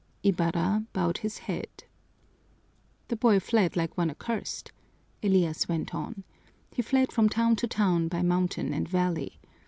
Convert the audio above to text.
Ibarra bowed his head. "The boy fled like one accursed," Elias went on. "He fled from town to town by mountain and valley.